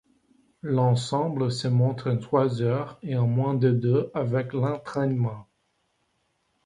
L'ensemble se monte en trois heures, et en moins de deux avec l'entraînement.